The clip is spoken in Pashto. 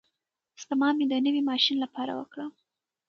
سپما مې د نوي ماشین لپاره وکړه.